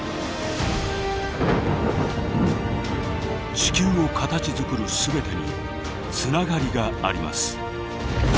地球を形づくる全てにつながりがあります。